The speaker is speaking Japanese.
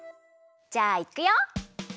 じゃあいくよ！